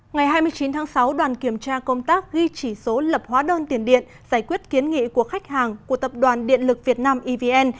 ngày hai mươi chín tháng sáu đoàn kiểm tra công tác ghi chỉ số lập hóa đơn tiền điện giải quyết kiến nghị của khách hàng của tập đoàn điện lực việt nam evn